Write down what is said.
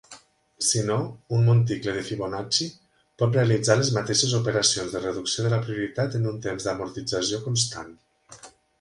Si no, un monticle de Fibonacci pot realitzar les mateixes operacions de reducció de la prioritat en un temps d'amortització constant.